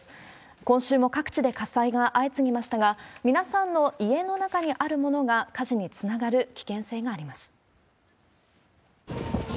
今週も各地で火災が相次ぎましたが、皆さんの家の中にあるものが火事につながる危険性があります。